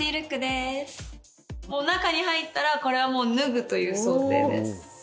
中に入ったらこれはもう脱ぐという想定です。